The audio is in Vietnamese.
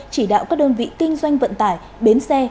chỉ đạo các đơn vị kinh doanh vận tải bến xe